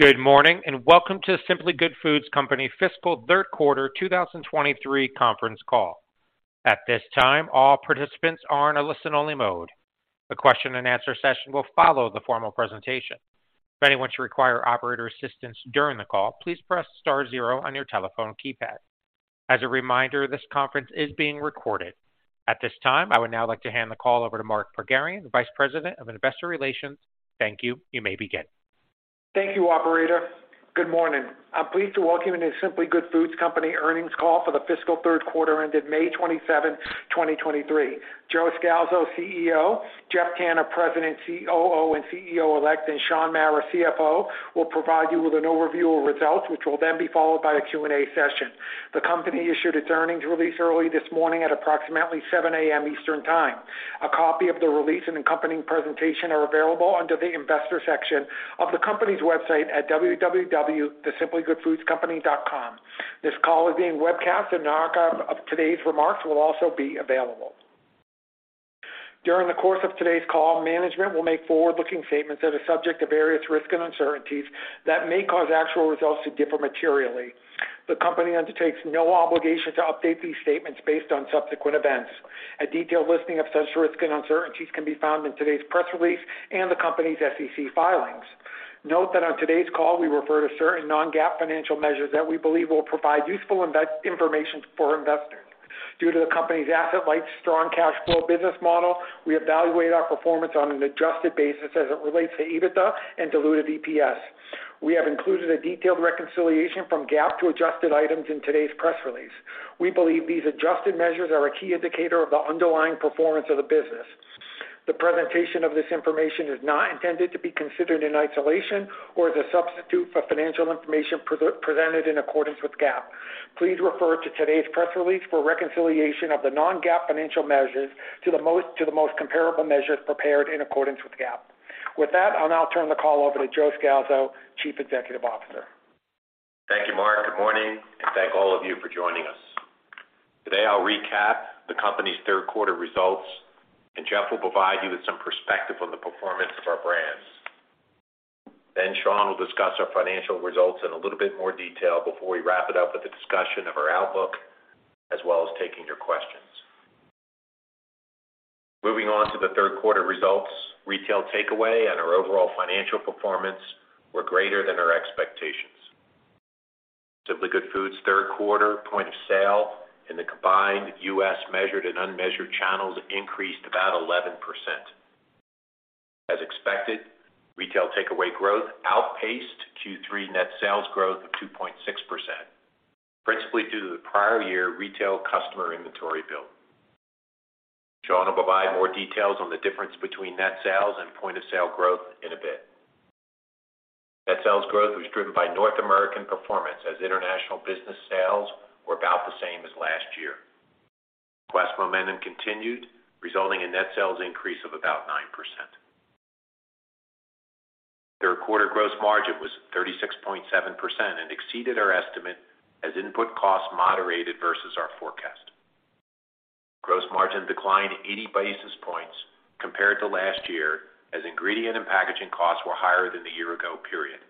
Good morning, welcome to Simply Good Foods Company fiscal third quarter 2023 conference call. At this time, all participants are in a listen-only mode. The question and answer session will follow the formal presentation. If anyone should require operator assistance during the call, please press star zero on your telephone keypad. As a reminder, this conference is being recorded. At this time, I would now like to hand the call over to Mark Pogharian, the Vice President of Investor Relations. Thank you. You may begin. Thank you, operator. Good morning. I'm pleased to welcome you to Simply Good Foods Company earnings call for the fiscal third quarter ended May 27th, 2023. Joe Scalzo, CEO, Geoff Tanner, President, COO, and CEO-elect, and Shaun Mara, CFO, will provide you with an overview of results, which will then be followed by a Q&A session. The company issued its earnings release early this morning at approximately 7:00 A.M. Eastern Time. A copy of the release and accompanying presentation are available under the investor section of the company's website at www.thesimplygoodfoodscompany.com. This call is being webcast, and an archive of today's remarks will also be available. During the course of today's call, management will make forward-looking statements that are subject to various risks and uncertainties that may cause actual results to differ materially. The company undertakes no obligation to update these statements based on subsequent events. A detailed listing of such risks and uncertainties can be found in today's press release and the company's SEC filings. Note that on today's call, we refer to certain non-GAAP financial measures that we believe will provide useful information for investors. Due to the company's asset-light, strong cash flow business model, we evaluate our performance on an adjusted basis as it relates to EBITDA and diluted EPS. We have included a detailed reconciliation from GAAP to adjusted items in today's press release. We believe these adjusted measures are a key indicator of the underlying performance of the business. The presentation of this information is not intended to be considered in isolation or as a substitute for financial information presented in accordance with GAAP. Please refer to today's press release for a reconciliation of the non-GAAP financial measures to the most comparable measures prepared in accordance with GAAP. I'll now turn the call over to Joe Scalzo, Chief Executive Officer. Thank you, Mark. Good morning. Thank all of you for joining us. Today, I'll recap the company's third quarter results. Geoff will provide you with some perspective on the performance of our brands. Shaun will discuss our financial results in a little bit more detail before we wrap it up with a discussion of our outlook, as well as taking your questions. Moving on to the third quarter results, retail takeaway and our overall financial performance were greater than our expectations. Simply Good Foods' third quarter point of sale in the combined U.S. measured and unmeasured channels increased about 11%. As expected, retail takeaway growth outpaced Q3 net sales growth of 2.6%, principally due to the prior year retail customer inventory build. Shaun will provide more details on the difference between net sales and point of sale growth in a bit. Net sales growth was driven by North American performance, as international business sales were about the same as last year. Quest momentum continued, resulting in net sales increase of about 9%. Third quarter gross margin was 36.7% and exceeded our estimate as input costs moderated versus our forecast. Gross margin declined 80 basis points compared to last year, as ingredient and packaging costs were higher than the year ago period.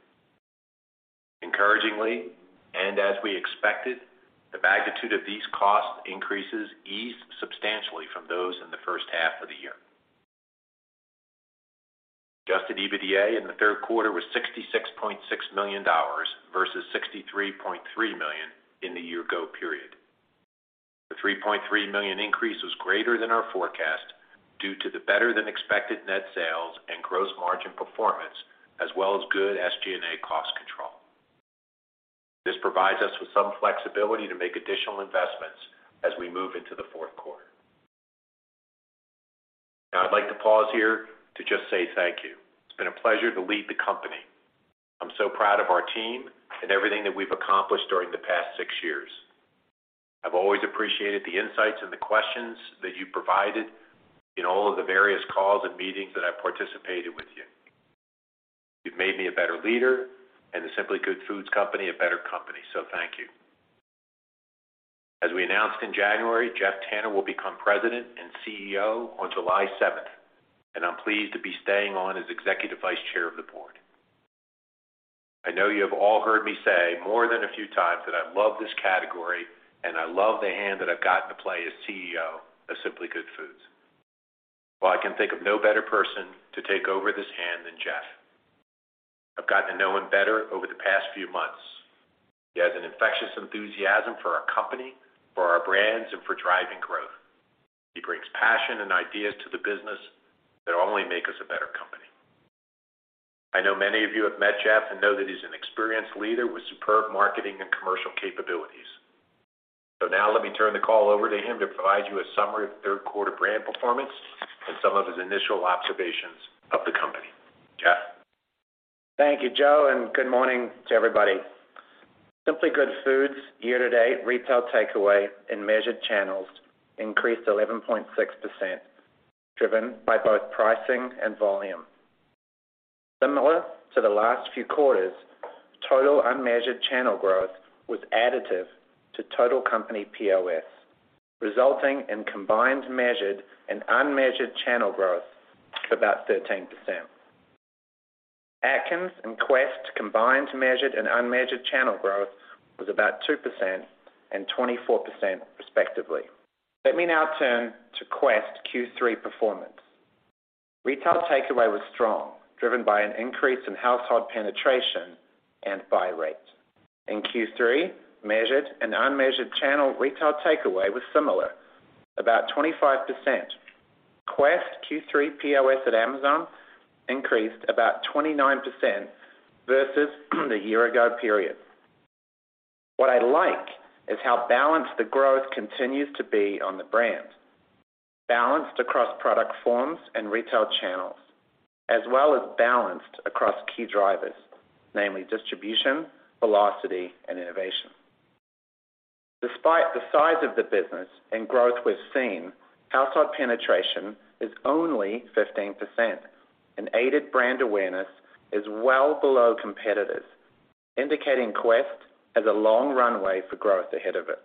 Encouragingly, and as we expected, the magnitude of these cost increases eased substantially from those in the first half of the year. Adjusted EBITDA in the third quarter was $66.6 million versus $63.3 million in the year ago period. The $3.3 million increase was greater than our forecast due to the better-than-expected net sales and gross margin performance, as well as good SG&A cost control. This provides us with some flexibility to make additional investments as we move into the fourth quarter. Now, I'd like to pause here to just say thank you. It's been a pleasure to lead the company. I'm so proud of our team and everything that we've accomplished during the past six years. I've always appreciated the insights and the questions that you provided in all of the various calls and meetings that I participated with you. You've made me a better leader and The Simply Good Foods Company, a better company. Thank you. As we announced in January, Geoff Tanner will become President and CEO on July seventh, and I'm pleased to be staying on as Executive Vice Chair of the Board. I know you have all heard me say more than a few times that I love this category and I love the hand that I've gotten to play as CEO of Simply Good Foods. Well, I can think of no better person to take over this hand than Geoff. I've gotten to know him better over the past few months. He has an infectious enthusiasm for our company, for our brands, and for driving growth. He brings passion and ideas to the business that only make us a better company. I know many of you have met Geoff and know that he's an experienced leader with superb marketing and commercial capabilities. Now let me turn the call over to him to provide you a summary of third quarter brand performance and some of his initial observations of the company. Geoff? Thank you, Joe, and good morning to everybody. Simply Good Foods' year-to-date retail takeaway in measured channels increased 11.6%, driven by both pricing and volume. Similar to the last few quarters, total unmeasured channel growth was additive to total company POS, resulting in combined measured and unmeasured channel growth of about 13%. Atkins and Quest combined measured and unmeasured channel growth was about 2% and 24%, respectively. Let me now turn to Quest Q3 performance. Retail takeaway was strong, driven by an increase in household penetration and buy rate. In Q3, measured and unmeasured channel retail takeaway was similar, about 25%. Quest Q3 POS at Amazon increased about 29% versus the year ago period. What I like is how balanced the growth continues to be on the brand. Balanced across product forms and retail channels, as well as balanced across key drivers, namely distribution, velocity, and innovation. Despite the size of the business and growth we've seen, household penetration is only 15%, and aided brand awareness is well below competitors, indicating Quest has a long runway for growth ahead of it.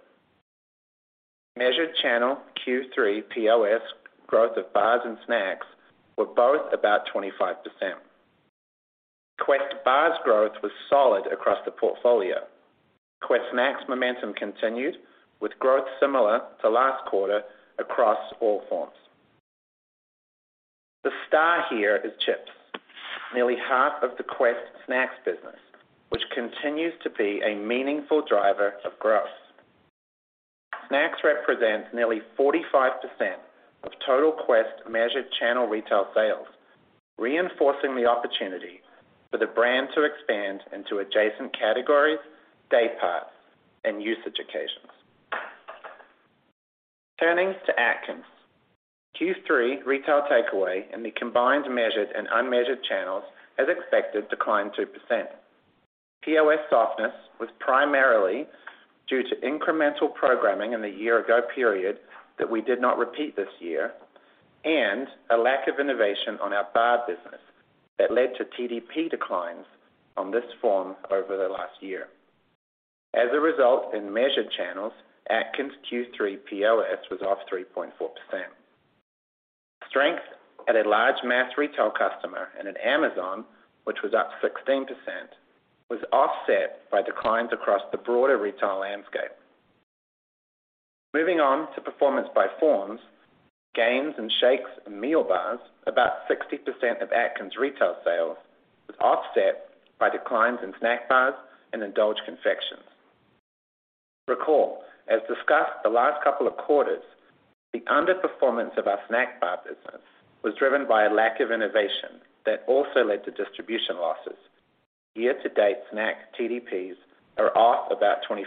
Measured channel Q3 POS growth of bars and snacks were both about 25%. Quest bars growth was solid across the portfolio. Quest snacks momentum continued, with growth similar to last quarter across all forms. The star here is chips, nearly half of the Quest snacks business, which continues to be a meaningful driver of growth. Snacks represents nearly 45% of total Quest measured channel retail sales, reinforcing the opportunity for the brand to expand into adjacent categories, day parts, and usage occasions. Turning to Atkins. Q3 retail takeaway in the combined measured and unmeasured channels, as expected, declined 2%. POS softness was primarily due to incremental programming in the year-ago period that we did not repeat this year, and a lack of innovation on our bar business that led to TDP declines on this form over the last year. As a result, in measured channels, Atkins Q3 POS was off 3.4%. Strength at a large mass retail customer and in Amazon, which was up 16%, was offset by declines across the broader retail landscape. Moving on to performance by forms, gains in shakes and meal bars, about 60% of Atkins retail sales, was offset by declines in snack bars and Endulge confections. Recall, as discussed the last couple of quarters, the underperformance of our snack bar business was driven by a lack of innovation that also led to distribution losses. Year-to-date snack TDPs are off about 25%.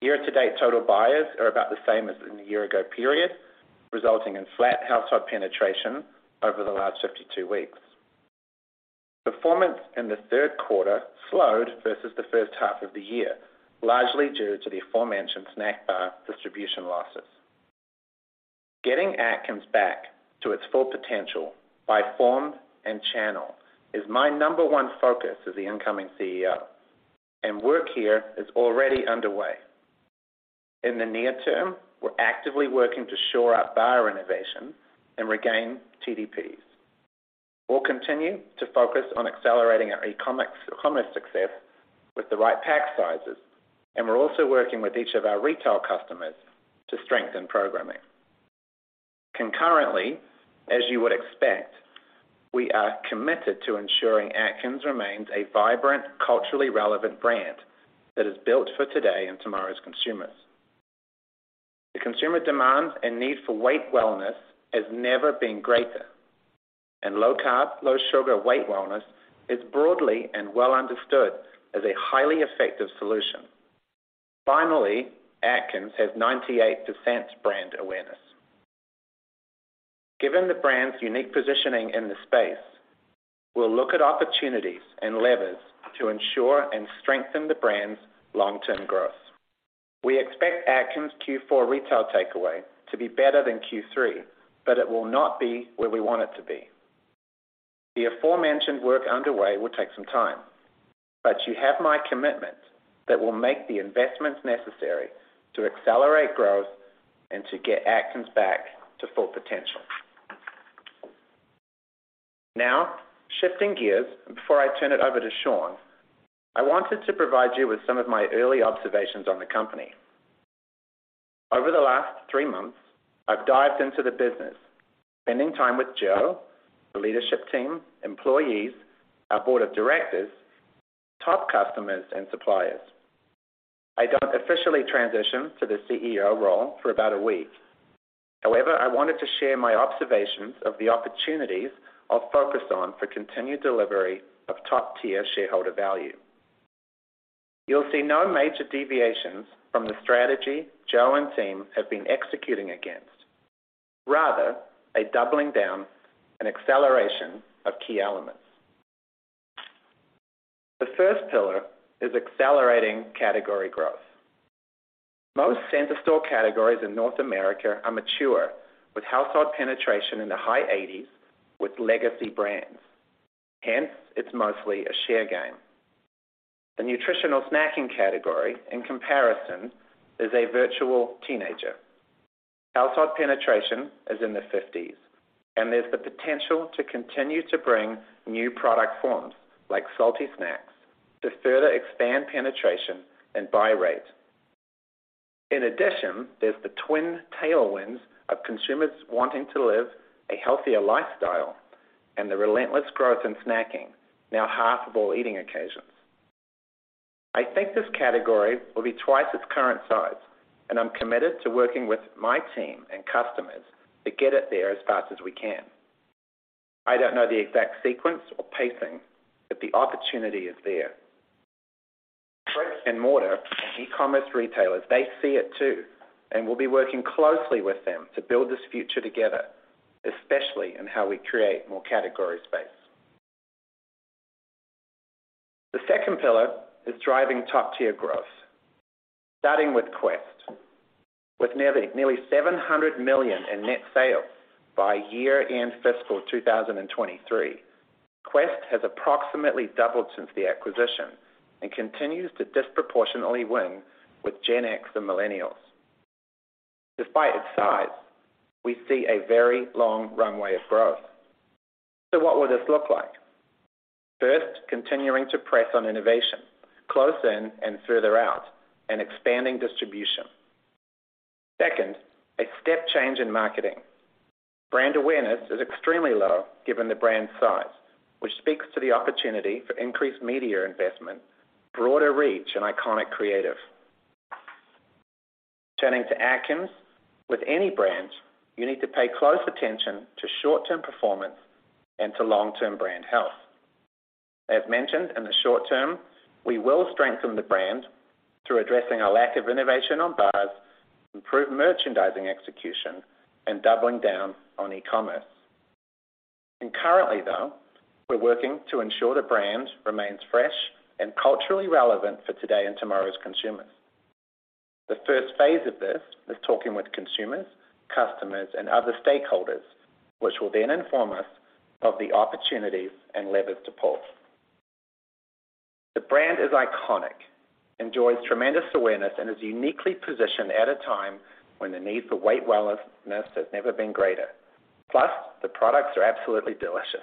Year-to-date total buyers are about the same as in the year ago period, resulting in flat household penetration over the last 52 weeks. Performance in the third quarter slowed versus the first half of the year, largely due to the aforementioned snack bar distribution losses. Getting Atkins back to its full potential by form and channel is my number one focus as the incoming CEO, work here is already underway. In the near term, we're actively working to shore up bar innovation and regain TDPs. We'll continue to focus on accelerating our e-commerce, commerce success with the right pack sizes, we're also working with each of our retail customers to strengthen programming. As you would expect, we are committed to ensuring Atkins remains a vibrant, culturally relevant brand that is built for today and tomorrow's consumers. The consumer demand and need for weight wellness has never been greater, low-carb, low-sugar weight wellness is broadly and well understood as a highly effective solution. Atkins has 98% brand awareness. Given the brand's unique positioning in the space, we'll look at opportunities and levers to ensure and strengthen the brand's long-term growth. We expect Atkins' Q4 retail takeaway to be better than Q3, it will not be where we want it to be. The aforementioned work underway will take some time, you have my commitment that we'll make the investments necessary to accelerate growth and to get Atkins back to full potential. Shifting gears, and before I turn it over to Shaun, I wanted to provide you with some of my early observations on the company. Over the last three months, I've dived into the business, spending time with Joe, the leadership team, employees, our board of directors, top customers, and suppliers. I don't officially transition to the CEO role for about a week. I wanted to share my observations of the opportunities I'll focus on for continued delivery of top-tier shareholder value. You'll see no major deviations from the strategy Joe and team have been executing against, rather, a doubling down and acceleration of key elements. The first pillar is accelerating category growth. Most center store categories in North America are mature, with household penetration in the high 80s, with legacy brands. Hence, it's mostly a share game. The nutritional snacking category, in comparison, is a virtual teenager. Household penetration is in the fifties, and there's the potential to continue to bring new product forms, like salty snacks, to further expand penetration and buy rate. In addition, there's the twin tailwinds of consumers wanting to live a healthier lifestyle and the relentless growth in snacking, now half of all eating occasions. I think this category will be 2x its current size, and I'm committed to working with my team and customers to get it there as fast as we can. I don't know the exact sequence or pacing, but the opportunity is there. Brick-and-mortar and e-commerce retailers, they see it, too, and we'll be working closely with them to build this future together, especially in how we create more category space. The second pillar is driving top-tier growth, starting with Quest. With nearly $700 million in net sales by year-end fiscal 2023, Quest has approximately doubled since the acquisition and continues to disproportionately win with Gen X and millennials. Despite its size, we see a very long runway of growth. What will this look like? First, continuing to press on innovation, close in and further out and expanding distribution. Second, a step change in marketing. Brand awareness is extremely low, given the brand size, which speaks to the opportunity for increased media investment, broader reach, and iconic creative. Turning to Atkins, with any brand, you need to pay close attention to short-term performance and to long-term brand health. As mentioned, in the short term, we will strengthen the brand through addressing our lack of innovation on bars, improve merchandising execution, and doubling down on e-commerce. Currently, though, we're working to ensure the brand remains fresh and culturally relevant for today and tomorrow's consumers. The first phase of this is talking with consumers, customers, and other stakeholders, which will then inform us of the opportunities and levers to pull. The brand is iconic, enjoys tremendous awareness, and is uniquely positioned at a time when the need for weight wellness has never been greater. Plus, the products are absolutely delicious.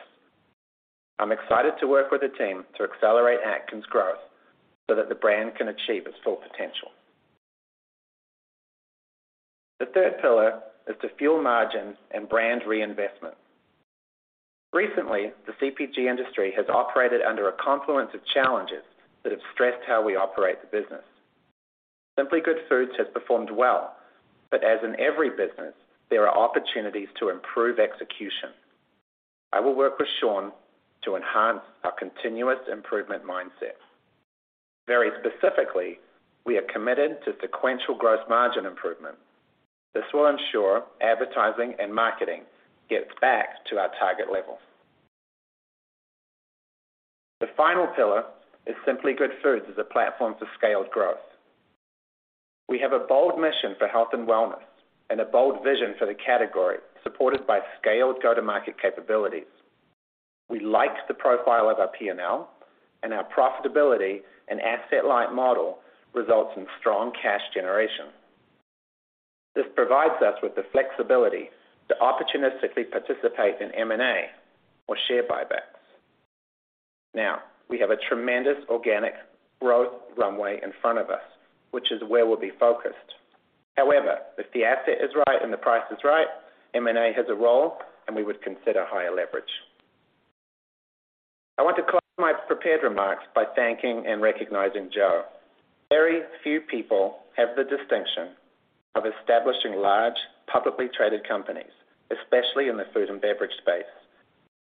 I'm excited to work with the team to accelerate Atkins growth so that the brand can achieve its full potential. The third pillar is to fuel margins and brand reinvestment. Recently, the CPG industry has operated under a confluence of challenges that have stressed how we operate the business. Simply Good Foods has performed well, as in every business, there are opportunities to improve execution. I will work with Shaun to enhance our continuous improvement mindset. Very specifically, we are committed to sequential gross margin improvement. This will ensure advertising and marketing gets back to our target level. The final pillar is Simply Good Foods as a platform for scaled growth. We have a bold mission for health and wellness and a bold vision for the category, supported by scaled go-to-market capabilities. We like the profile of our P&L, and our profitability and asset-light model results in strong cash generation. This provides us with the flexibility to opportunistically participate in M&A or share buybacks. We have a tremendous organic growth runway in front of us, which is where we'll be focused. If the asset is right and the price is right, M&A has a role, and we would consider higher leverage. I want to close my prepared remarks by thanking and recognizing Joe. Very few people have the distinction of establishing large, publicly traded companies, especially in the food and beverage space,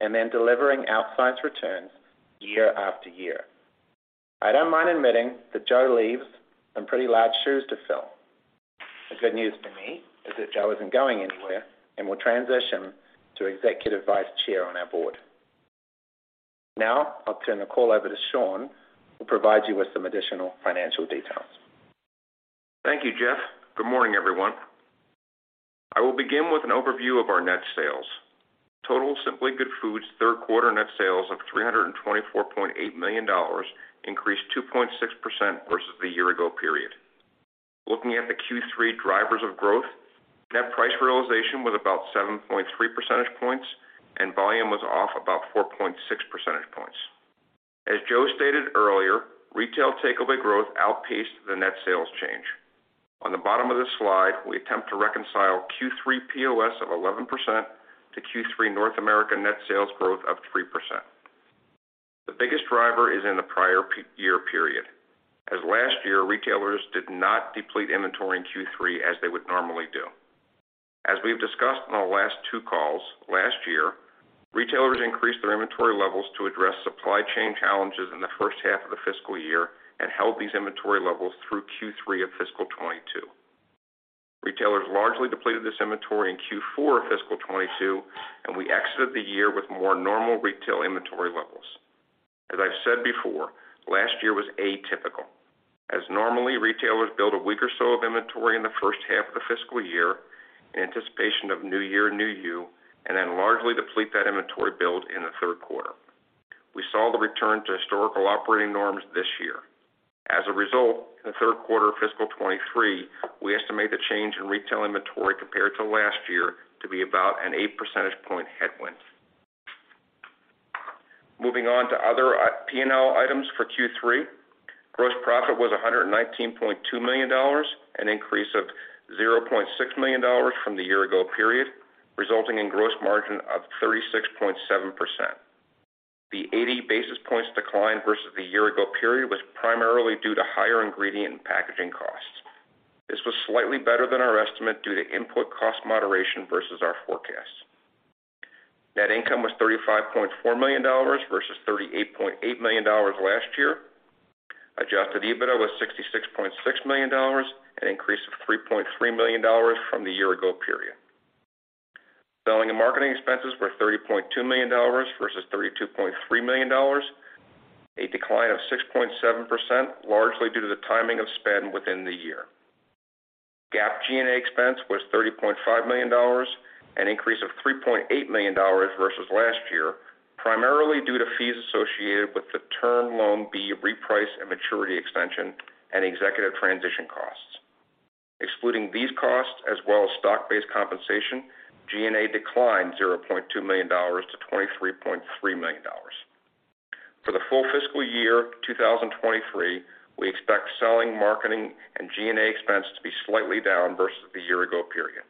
and then delivering outsized returns year after year. I don't mind admitting that Joe leaves some pretty large shoes to fill. The good news to me is that Joe isn't going anywhere and will transition to Executive Vice Chair on our board. Now, I'll turn the call over to Shaun, who will provide you with some additional financial details. Thank you, Geoff. Good morning, everyone. I will begin with an overview of our net sales. Total Simply Good Foods' third quarter net sales of $324.8 million increased 2.6% versus the year ago period. Looking at the Q3 drivers of growth, net price realization was about 7.3 percentage points. Volume was off about 4.6 percentage points. As Joe stated earlier, retail takeaway growth outpaced the net sales change. On the bottom of this slide, we attempt to reconcile Q3 POS of 11% to Q3 North America net sales growth of 3%. The biggest driver is in the prior year period, as last year, retailers did not deplete inventory in Q3 as they would normally do. As we've discussed on the last two calls, last year, retailers increased their inventory levels to address supply chain challenges in the first half of the fiscal year and held these inventory levels through Q3 of fiscal 2022. Retailers largely depleted this inventory in Q4 of fiscal 2022, and we exited the year with more normal retail inventory levels. As I've said before, last year was atypical, as normally, retailers build a week or so of inventory in the first half of the fiscal year in anticipation of new year, new you, and then largely deplete that inventory build in the third quarter. We saw the return to historical operating norms this year. As a result, in the third quarter of fiscal 2023, we estimate the change in retail inventory compared to last year to be about an 8 percentage point headwind. Moving on to other P&L items for Q3. Gross profit was $119.2 million, an increase of $0.6 million from the year-ago period, resulting in gross margin of 36.7%. The 80 basis points decline versus the year-ago period was primarily due to higher ingredient and packaging costs. This was slightly better than our estimate due to input cost moderation versus our forecast. Net income was $35.4 million versus $38.8 million last year. Adjusted EBITDA was $66.6 million, an increase of $3.3 million from the year-ago period. Selling and marketing expenses were $30.2 million versus $32.3 million, a decline of 6.7%, largely due to the timing of spend within the year. GAAP G&A expense was $30.5 million, an increase of $3.8 million versus last year, primarily due to fees associated with the Term Loan B reprice and maturity extension and executive transition costs. Excluding these costs as well as stock-based compensation, G&A declined $0.2 million to $23.3 million. For the full fiscal year 2023, we expect selling, marketing and G&A expense to be slightly down versus the year ago period.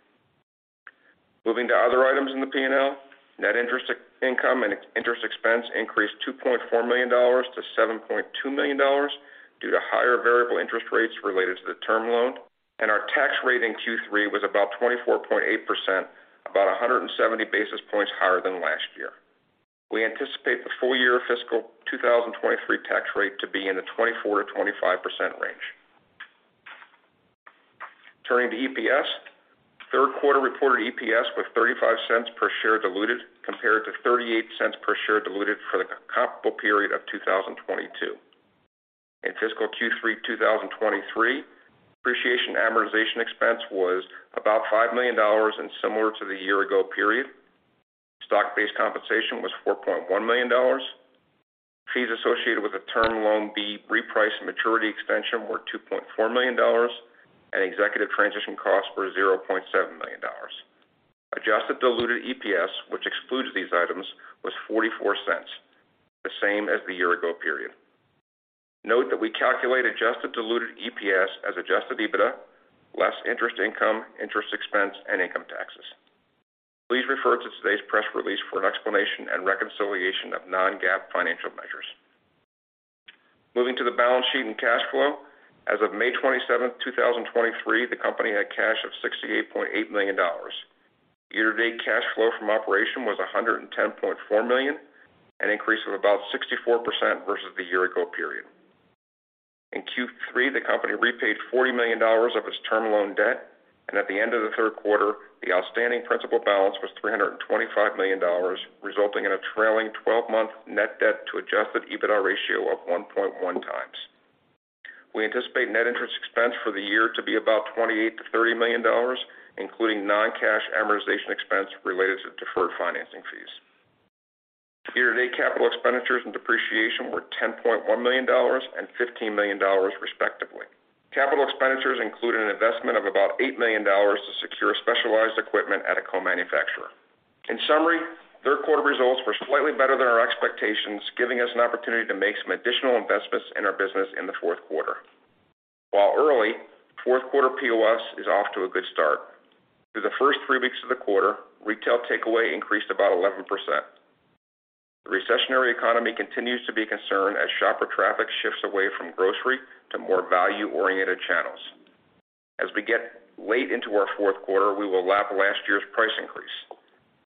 Moving to other items in the P&L. Net interest income and interest expense increased $2.4 million to $7.2 million due to higher variable interest rates related to the Term Loan, our tax rate in Q3 was about 24.8%, about 170 basis points higher than last year. We anticipate the full year fiscal 2023 tax rate to be in the 24%-25% range. Turning to EPS. Third quarter reported EPS was $0.35 per share diluted, compared to $0.38 per share diluted for the comparable period of 2022. In fiscal Q3 2023, depreciation amortization expense was about $5 million and similar to the year ago period. Stock-based compensation was $4.1 million. Fees associated with the Term Loan B reprice maturity extension were $2.4 million. Executive transition costs were $0.7 million. Adjusted diluted EPS, which excludes these items, was $0.44, the same as the year ago period. Note that we calculate adjusted diluted EPS as Adjusted EBITDA, less interest income, interest expense, and income taxes. Please refer to today's press release for an explanation and reconciliation of non-GAAP financial measures. Moving to the balance sheet and cash flow. As of May 27th, 2023, the company had cash of $68.8 million. Year-to-date cash flow from operation was $110.4 million, an increase of about 64% versus the year-ago period. In Q3, the company repaid $40 million of its term loan debt, and at the end of the third quarter, the outstanding principal balance was $325 million, resulting in a trailing twelve-month net debt to Adjusted EBITDA ratio of 1.1x. We anticipate net interest expense for the year to be about $28 million-$30 million, including non-cash amortization expense related to deferred financing fees. Year-to-date, capital expenditures and depreciation were $10.1 million and $15 million, respectively. Capital expenditures included an investment of about $8 million to secure specialized equipment at a co-manufacturer. In summary, third quarter results were slightly better than our expectations, giving us an opportunity to make some additional investments in our business in the fourth quarter. While early, fourth quarter POS is off to a good start. Through the first three weeks of the quarter, retail takeaway increased about 11%. The recessionary economy continues to be a concern as shopper traffic shifts away from grocery to more value-oriented channels. As we get late into our fourth quarter, we will lap last year's price increase.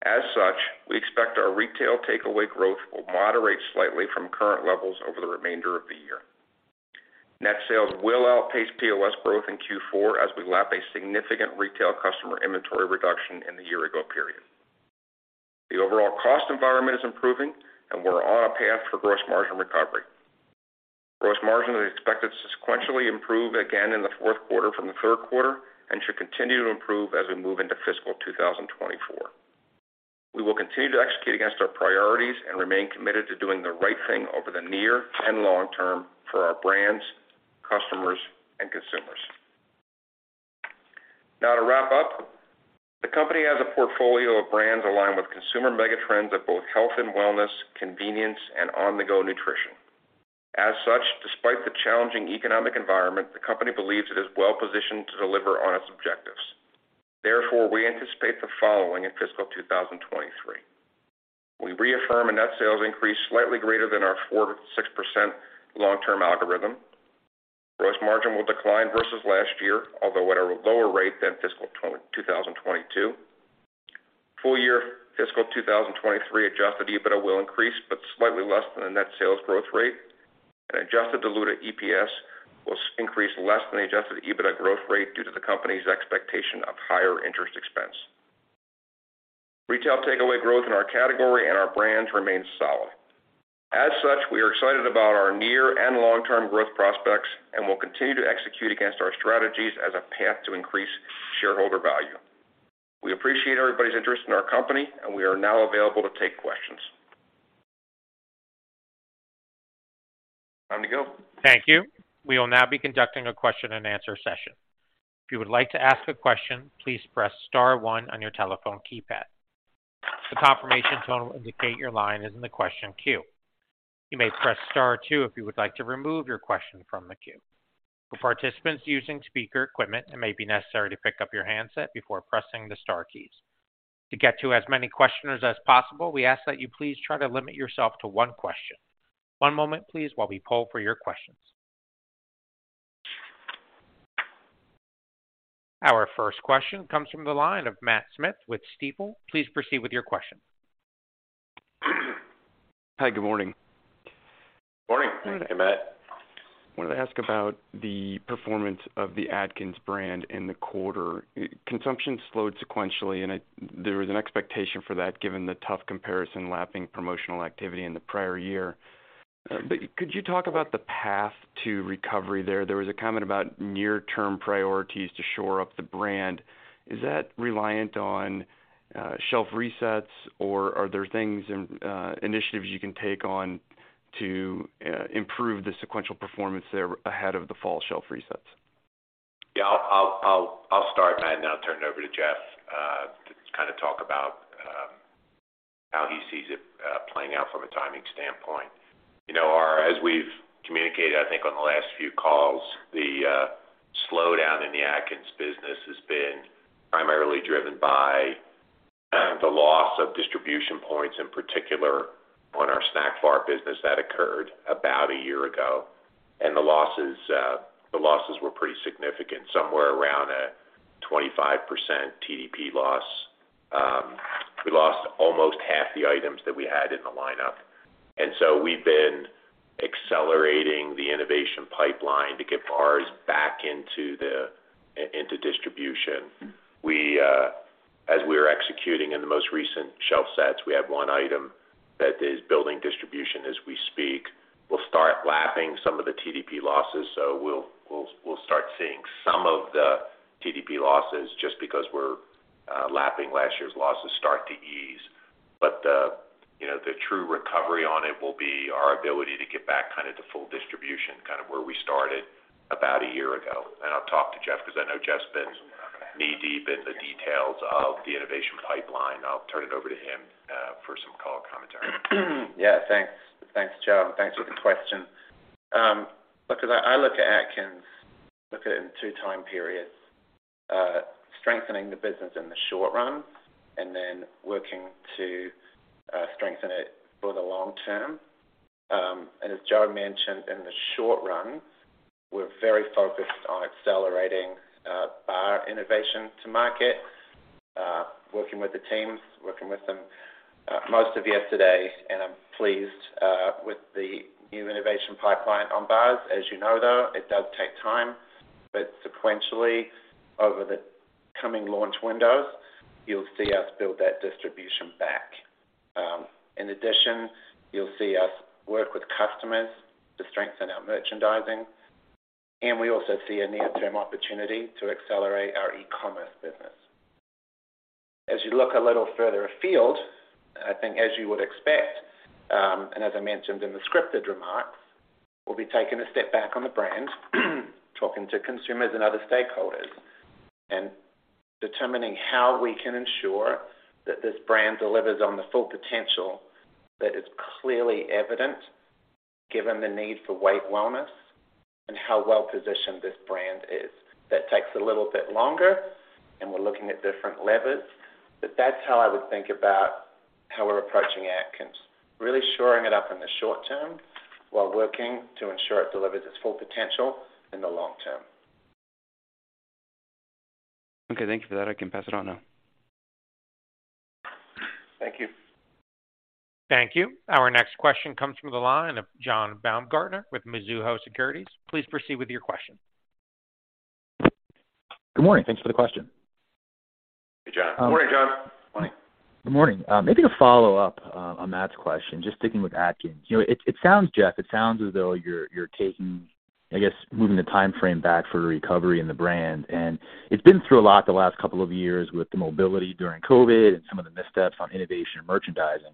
As such, we expect our retail takeaway growth will moderate slightly from current levels over the remainder of the year. Net sales will outpace POS growth in Q4 as we lap a significant retail customer inventory reduction in the year ago period. The overall cost environment is improving and we're on a path for gross margin recovery. Gross margin is expected to sequentially improve again in the fourth quarter from the third quarter and should continue to improve as we move into fiscal 2024. We will continue to execute against our priorities and remain committed to doing the right thing over the near and long term for our brands, customers, and consumers. Now to wrap up, the company has a portfolio of brands aligned with consumer mega trends of both health and wellness, convenience, and on-the-go nutrition. As such, despite the challenging economic environment, the company believes it is well positioned to deliver on its objectives. Therefore, we anticipate the following in fiscal 2023: We reaffirm a net sales increase slightly greater than our 4%-6% long-term algorithm. Gross margin will decline versus last year, although at a lower rate than fiscal 2022. Full year fiscal 2023 Adjusted EBITDA will increase, slightly less than the net sales growth rate, and adjusted diluted EPS will increase less than the Adjusted EBITDA growth rate due to the company's expectation of higher interest expense. Retail takeaway growth in our category and our brands remains solid. As such, we are excited about our near and long-term growth prospects. We'll continue to execute against our strategies as a path to increase shareholder value. We appreciate everybody's interest in our company. We are now available to take questions. Time to go. Thank you. We will now be conducting a question-and-answer session. If you would like to ask a question, please press star one on your telephone keypad. The confirmation tone will indicate your line is in the question queue. You may press star two if you would like to remove your question from the queue. For participants using speaker equipment, it may be necessary to pick up your handset before pressing the star keys. To get to as many questioners as possible, we ask that you please try to limit yourself to one question. One moment, please, while we poll for your questions. Our first question comes from the line of Matt Smith with Stifel. Please proceed with your question. Hi, good morning. Morning. Good morning, Matt. I wanted to ask about the performance of the Atkins brand in the quarter. Consumption slowed sequentially, there was an expectation for that, given the tough comparison, lapping promotional activity in the prior year. Could you talk about the path to recovery there? There was a comment about near-term priorities to shore up the brand. Is that reliant on shelf resets, or are there things and initiatives you can take on to improve the sequential performance there ahead of the fall shelf resets? Yeah, I'll start, Matt, and I'll turn it over to Geoff to kind of talk about how he sees it playing out from a timing standpoint. You know, as we've communicated, I think, on the last few calls, the slowdown in the Atkins business has been primarily driven by the loss of distribution points, in particular on our snack bar business that occurred about a year ago. The losses were pretty significant, somewhere around a 25% TDP loss. We lost almost half the items that we had in the lineup, and so we've been accelerating the innovation pipeline to get bars back into distribution. We, as we are executing in the most recent shelf sets, we have one item that is building distribution as we speak. We'll start lapping some of the TDP losses, so we'll start seeing some of the TDP losses just because we're lapping last year's losses start to ease. The, you know, the true recovery on it will be our ability to get back kind of to full distribution, kind of where we started about a year ago. I'll talk to Geoff because I know Geoff's been knee-deep in the details of the innovation pipeline. I'll turn it over to him for some call commentary. Yeah, thanks. Thanks, Joe, and thanks for the question. Look, as I look at Atkins, look at it in two time periods, strengthening the business in the short run and then working to strengthen it for the long term. As Joe mentioned, in the short run, we're very focused on accelerating our innovation to market, working with the teams, working with them most of yesterday, and I'm pleased with the new innovation pipeline on bars. As you know, though, it does take time, but sequentially, over the coming launch windows, you'll see us build that distribution back. In addition, you'll see us work with customers to strengthen our merchandising, and we also see a near-term opportunity to accelerate our e-commerce business. As you look a little further afield, I think as you would expect, as I mentioned in the scripted remarks, we'll be taking a step back on the brand, talking to consumers and other stakeholders and determining how we can ensure that this brand delivers on the full potential that is clearly evident given the need for weight wellness and how well-positioned this brand is. That takes a little bit longer, and we're looking at different levers, but that's how I would think about how we're approaching Atkins. Really shoring it up in the short term while working to ensure it delivers its full potential in the long term. Okay, thank you for that. I can pass it on now. Thank you. Thank you. Our next question comes from the line of John Baumgartner with Mizuho Securities. Please proceed with your question. Good morning. Thanks for the question. Hey, John. Good morning, John. Morning. Good morning. Maybe a follow-up on Matt's question, just sticking with Atkins. You know, it sounds, Geoff, it sounds as though you're taking, I guess, moving the timeframe back for recovery in the brand, and it's been through a lot the last couple of years with the mobility during COVID and some of the missteps on innovation and merchandising.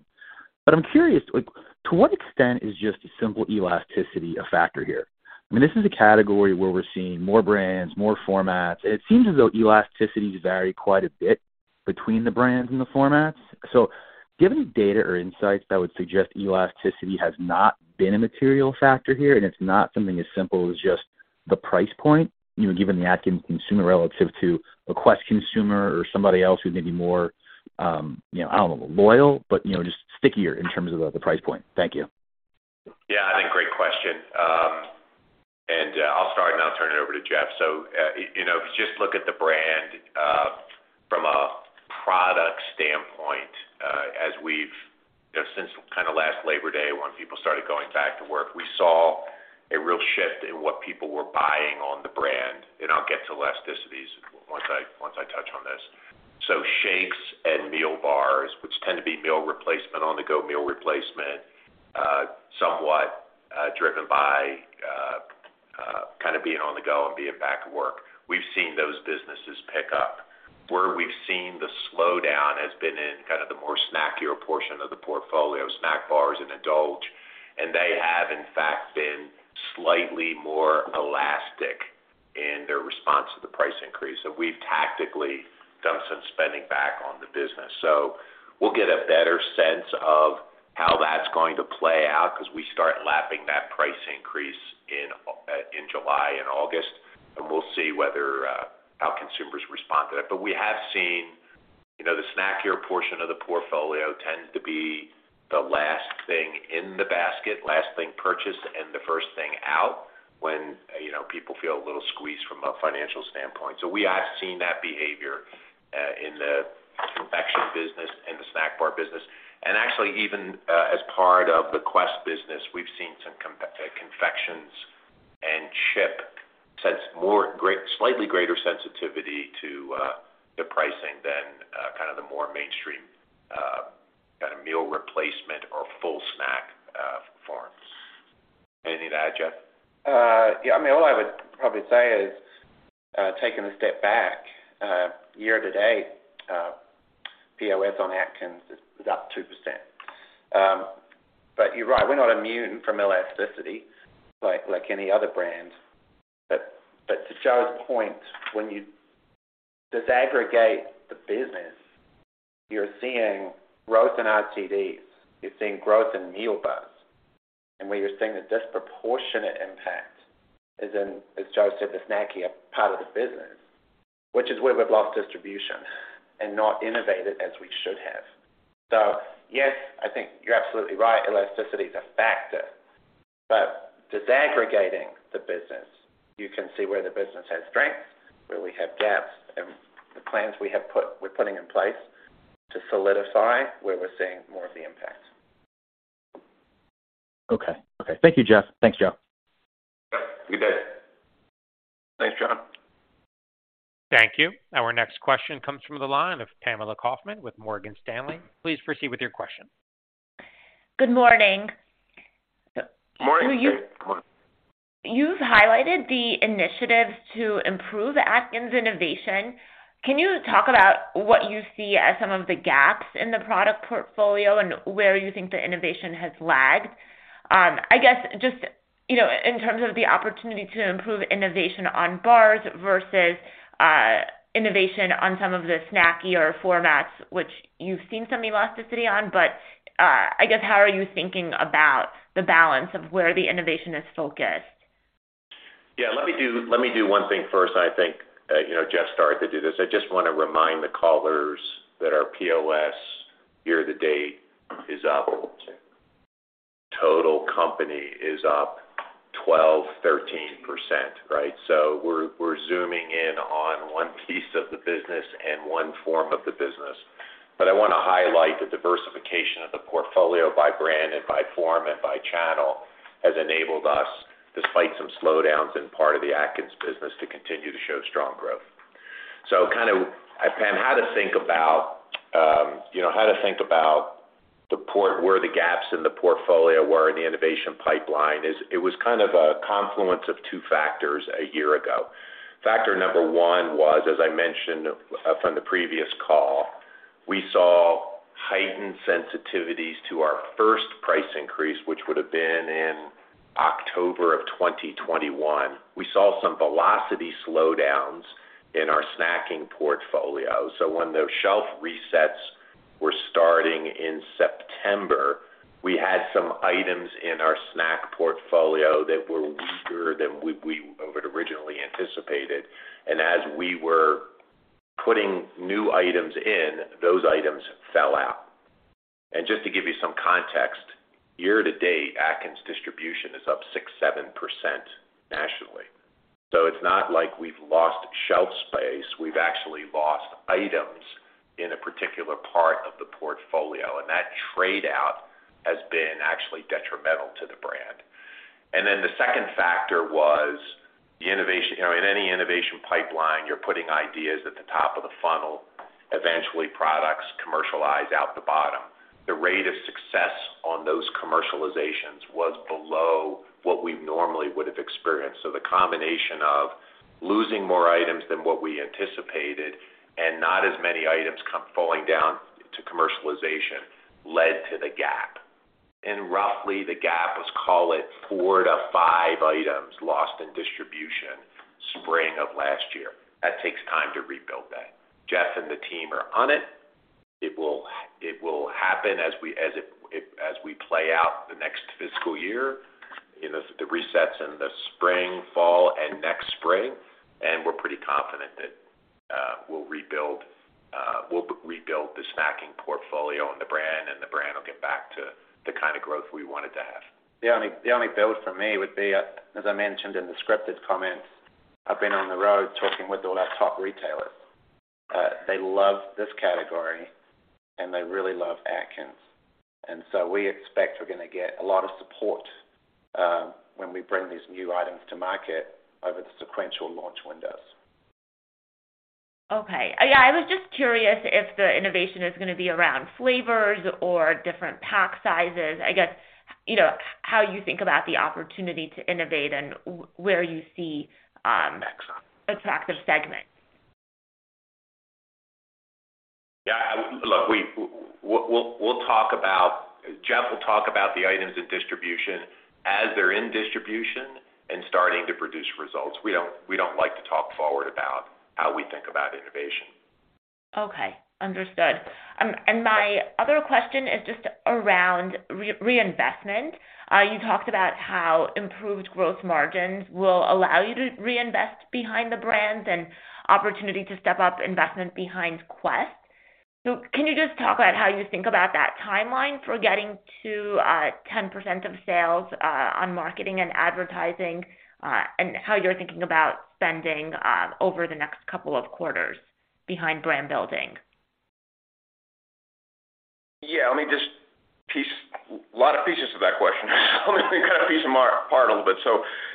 I'm curious, like, to what extent is just a simple elasticity a factor here? I mean, this is a category where we're seeing more brands, more formats, and it seems as though elasticities vary quite a bit between the brands and the formats. Do you have any data or insights that would suggest elasticity has not been a material factor here, and it's not something as simple as just the price point, you know, given the Atkins consumer relative to a Quest consumer or somebody else who may be more, you know, I don't know, loyal, but, you know, just stickier in terms of the price point. Thank you. Yeah, I think great question. I'll start, and I'll turn it over to Geoff. You know, if you just look at the brand from a product standpoint, when people started going back to work, we saw a real shift in what people were buying on the brand, and I'll get to elasticities once I, once I touch on this. Shakes and meal bars, which tend to be meal replacement, on-the-go meal replacement, somewhat driven by kind of being on the go and being back at work. We've seen those businesses pick up. Where we've seen the slowdown has been in kind of the more snackier portion of the portfolio, snack bars and Endulge. They have, in fact, been slightly more elastic in their response to the price increase. We've tactically done some spending back on the business. We'll get a better sense of how that's going to play out because we start lapping that price increase in July and August, and we'll see whether how consumers respond to that. We have seen, you know, the snackier portion of the portfolio tends to be the last thing in the basket, last thing purchased, and the first thing out when, you know, people feel a little squeezed from a financial standpoint. We have seen that behavior in the confection business and the snack bar business. Actually, even as part of the Quest business, we've seen some confections and chip sense Slightly greater sensitivity to the pricing than kind of the more mainstream kind of meal replacement or full snack forms. Anything to add, Geoff? Yeah, I mean, all I would probably say is, taking a step back, year to date, POS on Atkins is up 2%. You're right, we're not immune from elasticity like any other brand. But to Joe's point, when you disaggregate the business, you're seeing growth in RTDs, you're seeing growth in meal bars, and where you're seeing the disproportionate impact is in, as Joe said, the snackier part of the business, which is where we've lost distribution and not innovated as we should have. Yes, I think you're absolutely right, elasticity is a factor, but disaggregating the business, you can see where the business has strengths, where we have gaps, and the plans we're putting in place to solidify where we're seeing more of the impact. Okay. Okay. Thank you, Geoff. Thanks, Joe. Good day. Thanks, John. Thank you. Our next question comes from the line of Pamela Kaufman with Morgan Stanley. Please proceed with your question. Good morning. Morning. You've highlighted the initiatives to improve Atkins innovation. Can you talk about what you see as some of the gaps in the product portfolio and where you think the innovation has lagged? I guess just, you know, in terms of the opportunity to improve innovation on bars versus innovation on some of the snackier formats, which you've seen some elasticity on, but I guess, how are you thinking about the balance of where the innovation is focused? Yeah, let me do one thing first. I think, you know, Geoff started to do this. I just want to remind the callers that our POS year to date is up. Total company is up 12%, 13%, right? we're zooming in on one piece of the business and one form of the business. I want to highlight the diversification of the portfolio by brand and by form and by channel, has enabled us, despite some slowdowns in part of the Atkins business, to continue to show strong growth. kind of, Pamela, how to think about, you know, how to think about the port where the gaps in the portfolio were in the innovation pipeline is it was kind of a confluence of two factors a year ago. Factor number one was, as I mentioned from the previous call, we saw heightened sensitivities to our first price increase, which would have been in October of 2021. We saw some velocity slowdowns in our snacking portfolio. When those shelf resets were starting in September, we had some items in our snack portfolio that were weaker than we originally anticipated, and as we were putting new items in, those items fell out. Just to give you some context, year to date, Atkins distribution is up 6%, 7% nationally. It's not like we've lost shelf space. We've actually lost items in a particular part of the portfolio, and that trade-out has been actually detrimental to the brand. The second factor was the innovation. You know, in any innovation pipeline, you're putting ideas at the top of the funnel. Eventually, products commercialize out the bottom. The rate of success on those commercializations was below what we normally would have experienced. The combination of losing more items than what we anticipated and not as many items come falling down to commercialization led to the gap. Roughly, the gap was, call it, four to five items lost in distribution, spring of last year. That takes time to rebuild that. Geoff and the team are on it. It will happen as we play out the next fiscal year, in the resets in the spring, fall, and next spring. We're pretty confident that we'll rebuild, we'll rebuild the snacking portfolio and the brand, and the brand will get back to the kind of growth we wanted to have. The only build for me would be, as I mentioned in the scripted comments, I've been on the road talking with all our top retailers. They love this category, and they really love Atkins. We expect we're gonna get a lot of support when we bring these new items to market over the sequential launch windows. Okay. Yeah, I was just curious if the innovation is gonna be around flavors or different pack sizes. I guess, you know, how you think about the opportunity to innovate and where you see attractive segments. Yeah, look, Geoff will talk about the items in distribution as they're in distribution and starting to produce results. We don't like to talk forward about how we think about innovation. Understood. My other question is just around reinvestment. You talked about how improved growth margins will allow you to reinvest behind the brands and opportunity to step up investment behind Quest. Can you just talk about how you think about that timeline for getting to 10% of sales on marketing and advertising, and how you're thinking about spending over the next couple of quarters behind brand building? A lot of pieces to that question. Let me kind of piece them apart a little bit.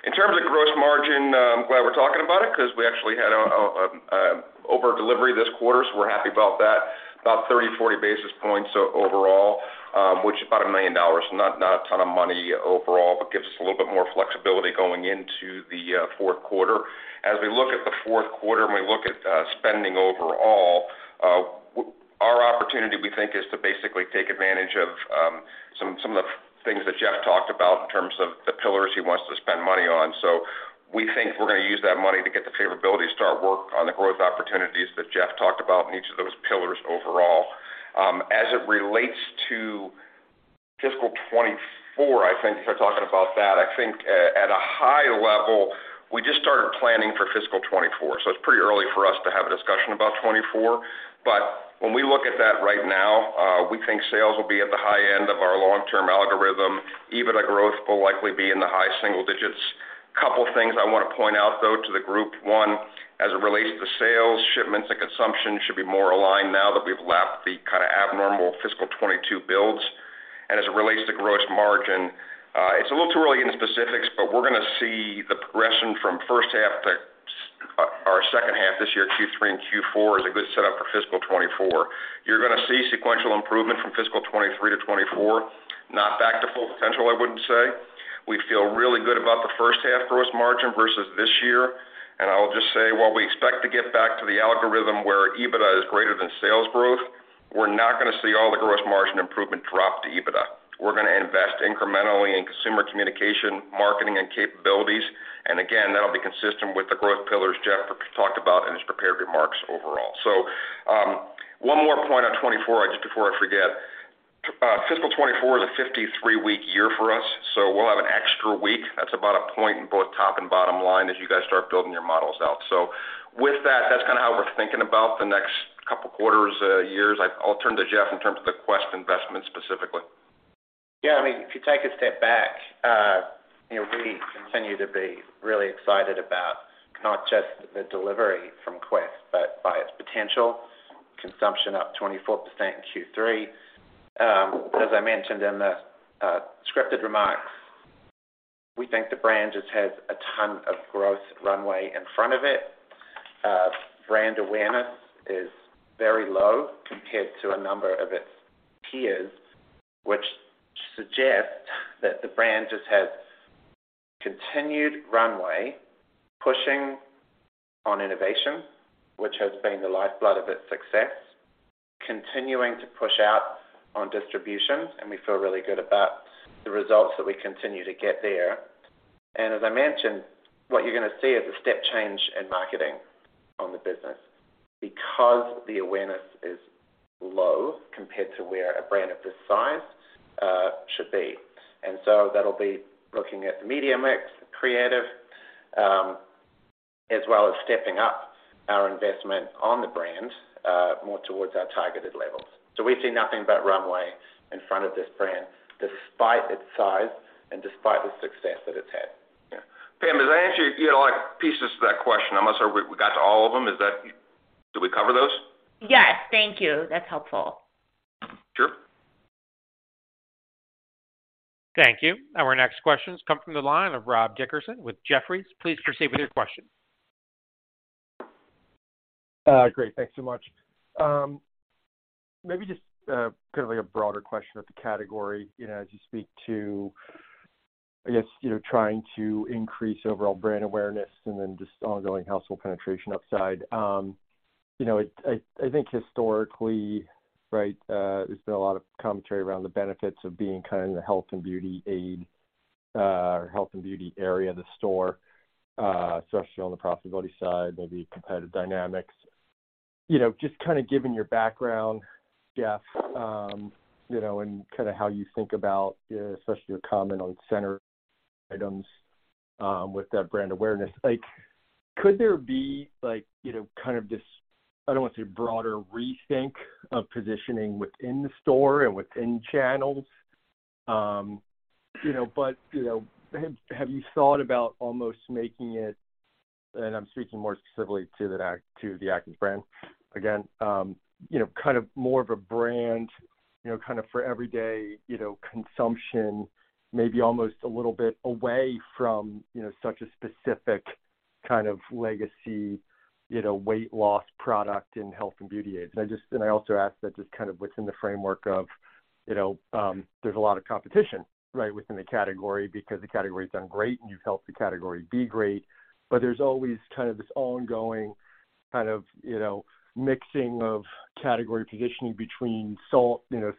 In terms of gross margin, I'm glad we're talking about it because we actually had an over delivery this quarter, so we're happy about that. About 30, 40 basis points overall, which is about $1 million. Not a ton of money overall, but gives us a little bit more flexibility going into the fourth quarter. As we look at the fourth quarter, and we look at spending overall, our opportunity, we think, is to basically take advantage of some of the things that Geoff talked about in terms of the pillars he wants to spend money on. We think we're gonna use that money to get the favorability to start work on the growth opportunities that Geoff talked about in each of those pillars overall. As it relates to fiscal 2024, if you're talking about that, at a high level, we just started planning for fiscal 2024. It's pretty early for us to have a discussion about 2024. When we look at that right now, we think sales will be at the high end of our long-term algorithm. EBITDA growth will likely be in the high single digits. Couple things I want to point out, though, to the group. One, as it relates to sales, shipments and consumption should be more aligned now that we've lapped the kind of abnormal fiscal 2022 builds. As it relates to gross margin, it's a little too early in the specifics, but we're gonna see the progression from first half to our second half this year, Q3 and Q4, is a good setup for fiscal 2024. You're gonna see sequential improvement from fiscal 2023 to 2024. Not back to full potential, I wouldn't say. We feel really good about the first half gross margin versus this year. I'll just say, while we expect to get back to the algorithm where EBITDA is greater than sales growth, we're not gonna see all the gross margin improvement drop to EBITDA. We're gonna invest incrementally in consumer communication, marketing, and capabilities. Again, that'll be consistent with the growth pillars Geoff talked about in his prepared remarks overall. One more point on 2024, just before I forget. Fiscal 2024 is a 53-week year for us, so we'll have an extra week. That's about a point in both top and bottom line as you guys start building your models out. With that's kinda how we're thinking about the next couple of quarters, years. I'll turn to Geoff in terms of the Quest investment specifically. Yeah, I mean, if you take a step back, you know, we continue to be really excited about not just the delivery from Quest, but by its potential. Consumption up 24% in Q3. As I mentioned in the scripted remarks, we think the brand just has a ton of growth runway in front of it. Brand awareness is very low compared to a number of its peers, which suggests that the brand just has continued runway, pushing on innovation, which has been the lifeblood of its success, continuing to push out on distribution, and we feel really good about the results that we continue to get there. As I mentioned, what you're gonna see is a step change in marketing on the business because the awareness is low compared to where a brand of this size should be. That'll be looking at the media mix, creative, as well as stepping up our investment on the brand, more towards our targeted levels. We see nothing but runway in front of this brand, despite its size and despite the success that it's had. Yeah. Pam, did I answer, you know, like, pieces to that question? I'm not sure we got to all of them. Did we cover those? Yes. Thank you. That's helpful. Sure. Thank you. Our next question comes from the line of Rob Dickerson with Jefferies. Please proceed with your question. Great. Thanks so much. Maybe just kind of like a broader question of the category, you know, as you speak to, I guess, you know, trying to increase overall brand awareness and then just ongoing household penetration upside. You know, I think historically, right, there's been a lot of commentary around the benefits of being kind of in the health and beauty aid, or health and beauty area of the store, especially on the profitability side, maybe competitive dynamics. You know, just kind of given your background, Geoff, you know, and kind of how you think about, especially your comment on center items, with that brand awareness. Like, could there be, you know, kind of this, I don't want to say broader rethink of positioning within the store and within channels? You know, have you thought about almost making it, and I'm speaking more specifically to the Atkins brand again, you know, kind of more of a brand, you know, kind of for everyday, you know, consumption, maybe almost a little bit away from, you know, such a specific kind of legacy, you know, weight loss product in health and beauty aids? I also ask that just kind of within the framework of, you know, there's a lot of competition, right, within the category, because the category's done great, and you've helped the category be great, but there's always kind of this ongoing kind of, you know, mixing of category positioning between salt, you know,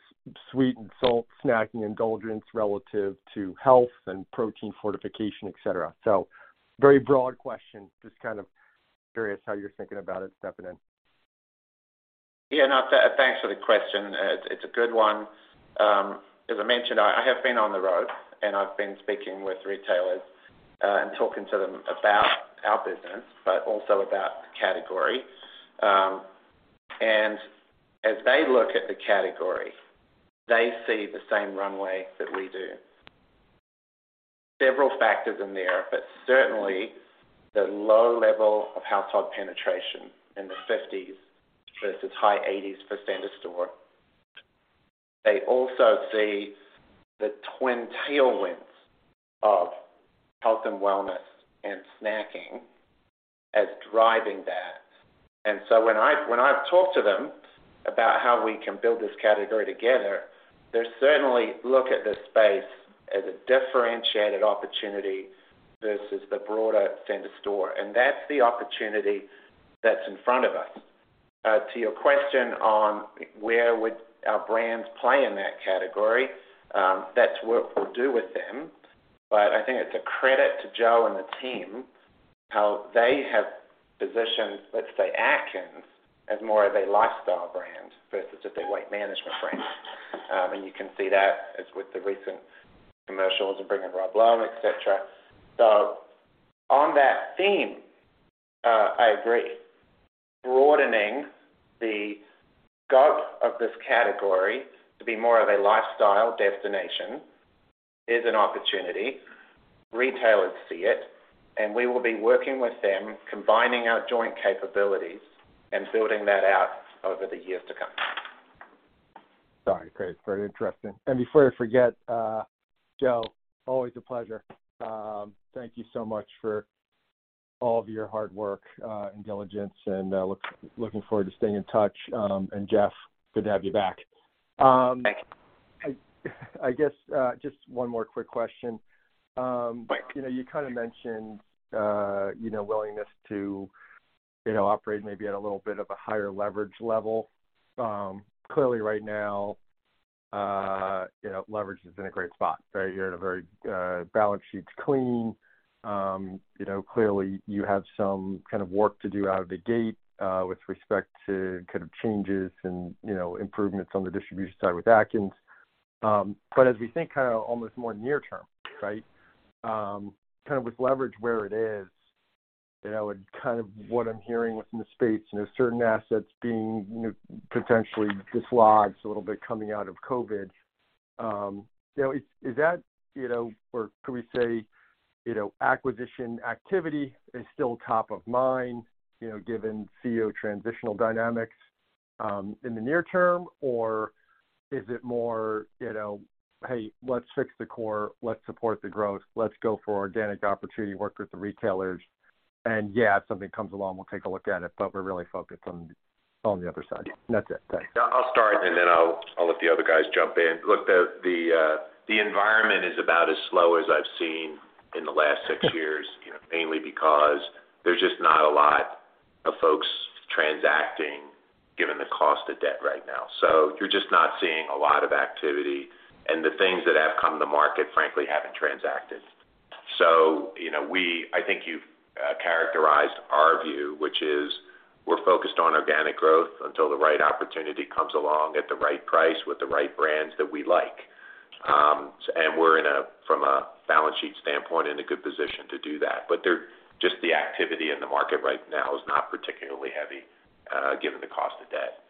sweet and salt, snacking, indulgence, relative to health and protein fortification, et cetera. Very broad question. Just kind of curious how you're thinking about it stepping in? No, thanks for the question. It's a good one. As I mentioned, I have been on the road, and I've been speaking with retailers, and talking to them about our business, but also about the category. As they look at the category, they see the same runway that we do. Several factors in there, but certainly the low level of household penetration in the 50s versus high 80s for center store. They also see the twin tailwinds of health and wellness and snacking as driving that. When I've talked to them about how we can build this category together, they certainly look at the space as a differentiated opportunity versus the broader center store, and that's the opportunity that's in front of us. To your question on where would our brands play in that category, that's work we'll do with them. I think it's a credit to Joe and the team, how they have positioned, let's say, Atkins, as more of a lifestyle brand versus just a weight management brand. You can see that as with the recent commercials and bringing Rob Lowe, et cetera. On that theme, I agree. Broadening the scope of this category to be more of a lifestyle destination is an opportunity. Retailers see it, and we will be working with them, combining our joint capabilities and building that out over the years to come. Sorry. Great, very interesting. Before I forget, Joe, always a pleasure. Thank you so much for all of your hard work, and diligence, and looking forward to staying in touch. Geoff, good to have you back. Thank you. I guess, just one more quick question. You know, you kind of mentioned, you know, willingness to, you know, operate maybe at a little bit of a higher leverage level. Clearly, right now, you know, leverage is in a great spot, right? Balance sheet's clean. You know, clearly, you have some kind of work to do out of the gate, with respect to kind of changes and, you know, improvements on the distribution side with Atkins. As we think, kind of, almost more near term, right? Kind of with leverage where it is, you know, and kind of what I'm hearing within the space, you know, certain assets being, you know, potentially dislodged a little bit coming out of COVID. You know, is that, you know, or can we say, you know, acquisition activity is still top of mind, you know, given CEO transitional dynamics, in the near term, or is it more, you know, "Hey, let's fix the core, let's support the growth, let's go for organic opportunity, work with the retailers, and, yeah, if something comes along, we'll take a look at it, but we're really focused on the other side?" That's it. Thanks. I'll start, and then I'll let the other guys jump in. Look, the environment is about as slow as I've seen in the last six years, you know, mainly because there's just not a lot of folks transacting, given the cost of debt right now. You're just not seeing a lot of activity, and the things that have come to market, frankly, haven't transacted. You know, I think you've characterized our view, which is we're focused on organic growth until the right opportunity comes along at the right price with the right brands that we like. We're in a, from a balance sheet standpoint, in a good position to do that. There, just the activity in the market right now is not particularly heavy, given the cost of debt.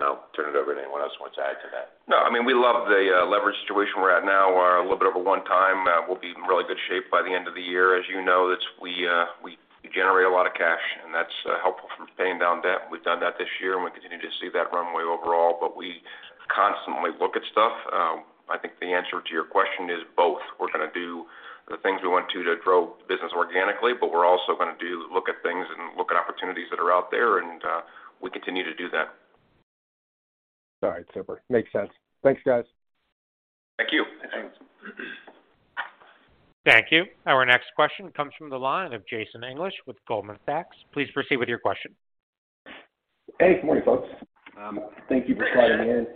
I'll turn it over to anyone else who wants to add to that. No, I mean, we love the leverage situation we're at now, a little bit of a one-time. We'll be in really good shape by the end of the year. As you know, we generate a lot of cash, and that's helpful for paying down debt. We've done that this year, and we continue to see that runway overall, but we constantly look at stuff. I think the answer to your question is both. We're gonna do the things we want to to grow business organically, but we're also gonna look at things and look at opportunities that are out there, and we continue to do that. All right. Super. Makes sense. Thanks, guys. Thank you. Thanks. Thank you. Our next question comes from the line of Jason English with Goldman Sachs. Please proceed with your question. Hey, good morning, folks. Thank you for letting me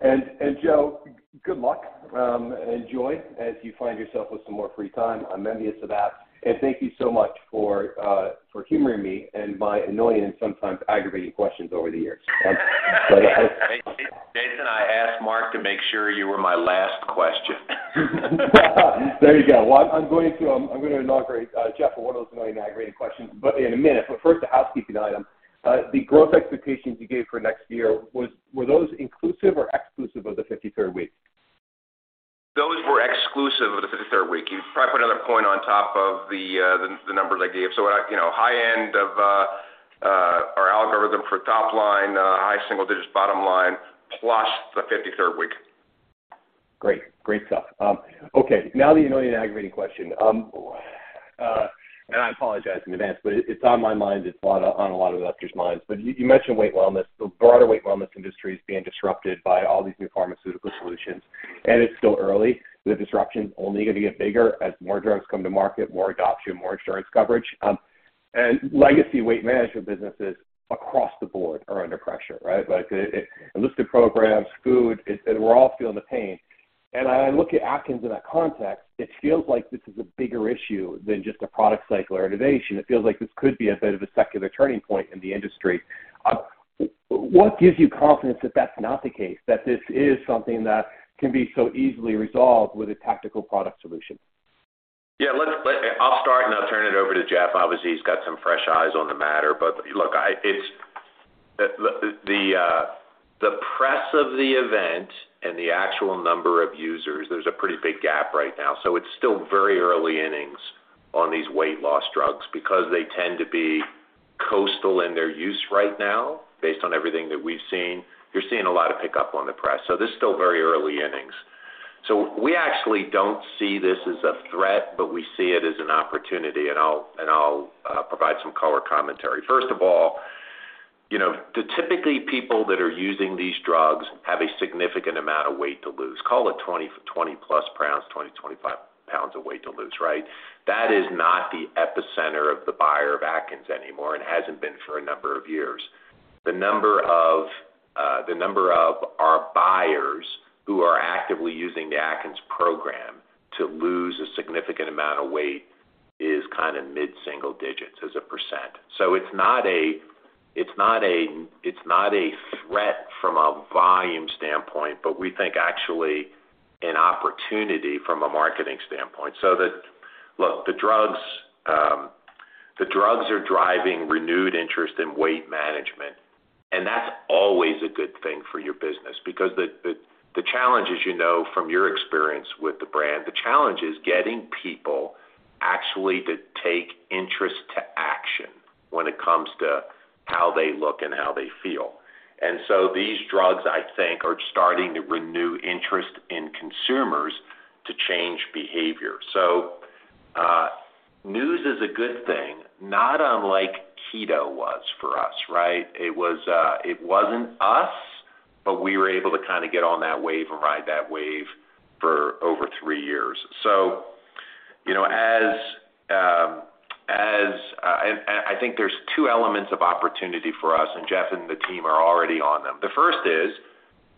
in. Joe, good luck, and enjoy, as you find yourself with some more free time. I'm envious of that. Thank you so much for humoring me and my annoying and sometimes aggravating questions over the years. Jason, I asked Mark to make sure you were my last question. There you go. Well, I'm going to, I'm going to inaugurate, Geoff, for one of those annoying aggravating questions, but in a minute. First, a housekeeping item. The growth expectations you gave for next year, were those inclusive or exclusive of the 53rd week? Those were exclusive of the 53rd week. You probably put another point on top of the numbers I gave. You know, high end of, our algorithm for top line, high single digits, bottom line, plus the 53rd week. Great. Great stuff. Okay, now the annoying aggravating question. I apologize in advance, but it's on my mind, it's on a, on a lot of investors' minds. You mentioned weight wellness. The broader weight wellness industry is being disrupted by all these new pharmaceutical solutions, and it's still early. The disruption is only going to get bigger as more drugs come to market, more adoption, more insurance coverage. Legacy weight management businesses across the board are under pressure, right? Like, enlisted programs, food, it. We're all feeling the pain. I look at Atkins in that context, it feels like this is a bigger issue than just a product cycle or innovation. It feels like this could be a bit of a secular turning point in the industry. What gives you confidence that that's not the case? This is something that can be so easily resolved with a tactical product solution. Yeah, let I'll start. I'll turn it over to Geoff. Obviously, he's got some fresh eyes on the matter. Look, it's the press of the event and the actual number of users, there's a pretty big gap right now. It's still very early innings on these weight loss drugs because they tend to be coastal in their use right now, based on everything that we've seen. You're seeing a lot of pickup on the press. This is still very early innings. We actually don't see this as a threat, but we see it as an opportunity, and I'll provide some color commentary. First of all, you know, typically, people that are using these drugs have a significant amount of weight to lose. Call it 20+ pounds, 20-25 pounds of weight to lose, right? That is not the epicenter of the buyer of Atkins anymore and hasn't been for a number of years. The number of our buyers who are actively using the Atkins program to lose a significant amount of weight is kind of mid-single digits as a %. It's not a threat from a volume standpoint, but we think actually an opportunity from a marketing standpoint. The... Look, the drugs, the drugs are driving renewed interest in weight management, and that's always a good thing for your business because the challenge, as you know from your experience with the brand, the challenge is getting people actually to take interest to action when it comes to how they look and how they feel. These drugs, I think, are starting to renew interest in consumers to change behavior. News is a good thing, not unlike keto was for us, right? It was, it wasn't us, but we were able to kind of get on that wave and ride that wave for over three years. You know, I think there's two elements of opportunity for us, and Geoff and the team are already on them. The first is,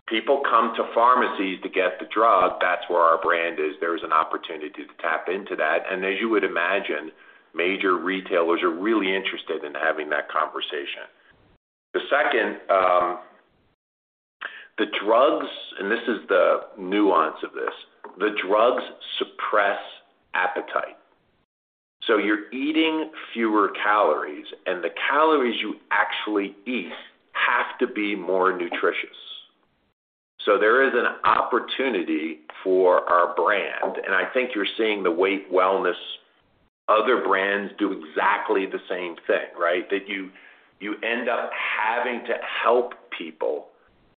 people come to pharmacies to get the drug. That's where our brand is. There's an opportunity to tap into that, and as you would imagine, major retailers are really interested in having that conversation. The second, the drugs, and this is the nuance of this, the drugs suppress appetite. You're eating fewer calories, and the calories you actually eat have to be more nutritious. There is an opportunity for our brand, and I think you're seeing the weight wellness. Other brands do exactly the same thing, right? That you end up having to help people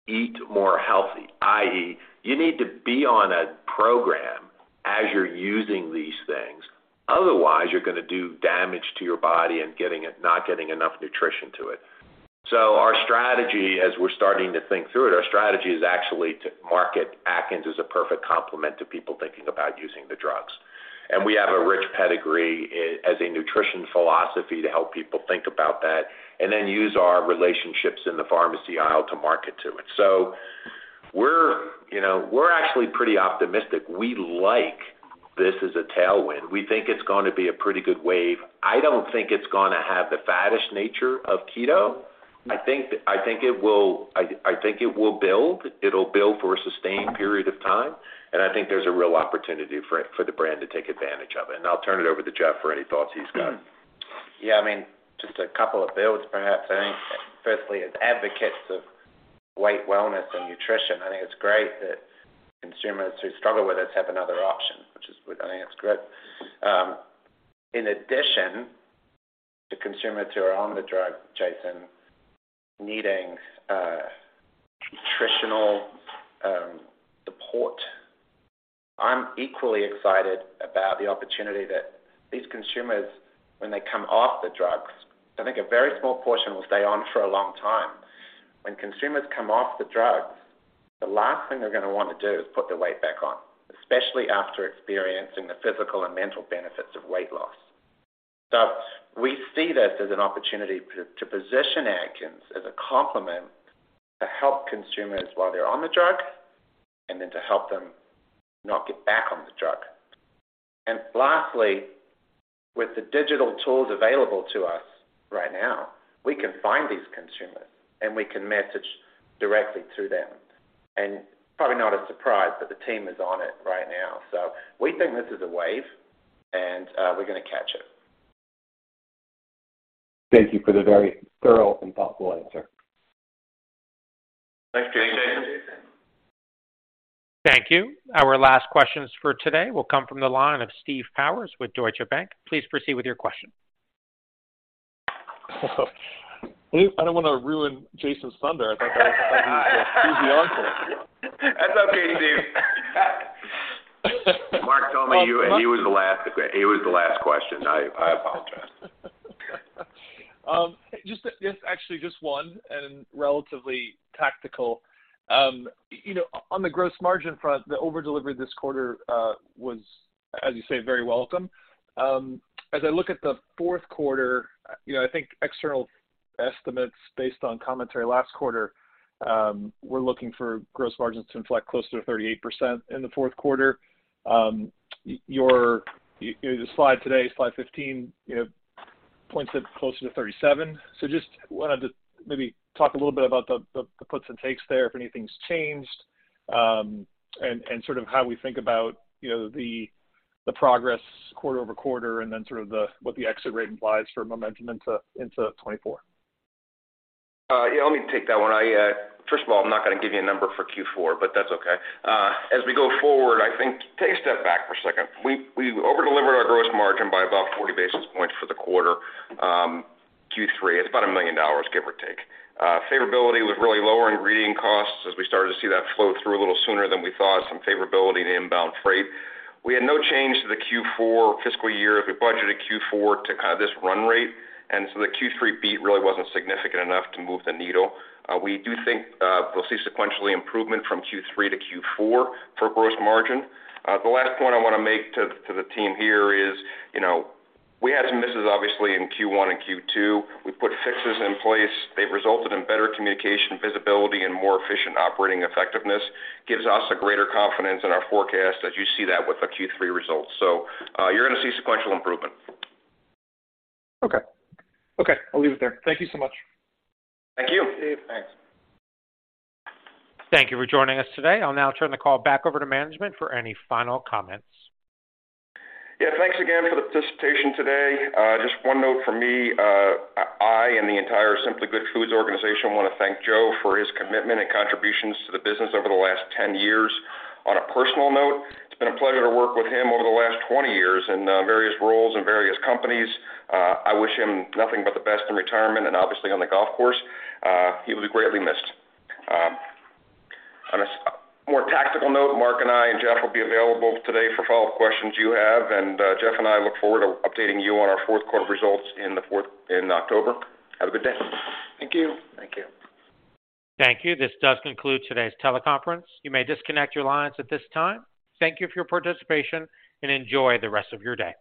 eat more healthy, i.e., you need to be on a program as you're using these things. Otherwise, you're gonna do damage to your body and getting it not getting enough nutrition to it. Our strategy, as we're starting to think through it, our strategy is actually to market Atkins as a perfect complement to people thinking about using the drugs. We have a rich pedigree as a nutrition philosophy to help people think about that, and then use our relationships in the pharmacy aisle to market to it. We're, you know, we're actually pretty optimistic. We like this as a tailwind. We think it's going to be a pretty good wave. I don't think it's gonna have the faddish nature of Keto. I think it will build. It'll build for a sustained period of time, and I think there's a real opportunity for the brand to take advantage of it. I'll turn it over to Geoff for any thoughts he's got. Yeah, I mean, just a couple of builds, perhaps. I think firstly, as advocates of weight wellness and nutrition, I think it's great that consumers who struggle with this have another option, which is, I think it's great. The consumers who are on the drug, Jason, needing, nutritional support, I'm equally excited about the opportunity that these consumers, when they come off the drugs, I think a very small portion will stay on for a long time. Consumers come off the drugs, the last thing they're gonna want to do is put their weight back on, especially after experiencing the physical and mental benefits of weight loss. We see this as an opportunity to position Atkins as a complement, to help consumers while they're on the drug, and then to help them not get back on the drug. Lastly, with the digital tools available to us right now, we can find these consumers, and we can message directly to them. Probably not a surprise, but the team is on it right now. We think this is a wave, and we're gonna catch it. Thank you for the very thorough and thoughtful answer. Thanks, Jason. Thank you. Our last questions for today will come from the line of Steve Powers with Deutsche Bank. Please proceed with your question. I don't want to ruin Jason's thunder. I thought I was, he was busy on today. That's okay, Steve. Mark told me he was the last, it was the last question. I apologize. Just, yes, actually, just one and relatively tactical. You know, on the gross margin front, the overdelivery this quarter, was, as you say, very welcome. As I look at the fourth quarter, you know, I think external estimates based on commentary last quarter, we're looking for gross margins to inflect closer to 38% in the fourth quarter. Your, the slide today, slide 15, you know, points it closer to 37%. Just wanted to maybe talk a little bit about the, the puts and takes there, if anything's changed, and sort of how we think about, you know, the progress quarter-over-quarter, and then sort of the, what the exit rate implies for momentum into 2024. Yeah, let me take that one. I, first of all, I'm not gonna give you a number for Q4, that's okay. As we go forward, I think, take a step back for a second. We overdelivered our gross margin by about 40 basis points for the quarter. Q3, it's about $1 million, give or take. Favorability was really lower ingredient costs as we started to see that flow through a little sooner than we thought, some favorability in the inbound freight. We had no change to the Q4 fiscal year. We budgeted Q4 to kind of this run rate, the Q3 beat really wasn't significant enough to move the needle. We do think, we'll see sequentially improvement from Q3 to Q4 for gross margin. The last point I want to make to the team here is, you know, we had some misses, obviously, in Q1 and Q2. We put fixes in place. They've resulted in better communication, visibility, and more efficient operating effectiveness. Gives us a greater confidence in our forecast as you see that with the Q3 results. You're gonna see sequential improvement. Okay. Okay, I'll leave it there. Thank you so much. Thank you. Thanks. Thank you for joining us today. I'll now turn the call back over to management for any final comments. Yeah, thanks again for the participation today. Just one note from me. I and the entire Simply Good Foods organization want to thank Joe for his commitment and contributions to the business over the last 10 years. On a personal note, it's been a pleasure to work with him over the last 20 years in various roles and various companies. I wish him nothing but the best in retirement and obviously on the golf course. He will be greatly missed. On a more tactical note, Mark and I and Geoff will be available today for follow-up questions you have. Geoff and I look forward to updating you on our fourth quarter results in October. Have a good day. Thank you. Thank you. Thank you. This does conclude today's teleconference. You may disconnect your lines at this time. Thank you for your participation, and enjoy the rest of your day.